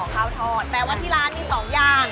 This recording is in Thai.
ข้าวทอดแปลว่าที่ร้านมี๒อย่าง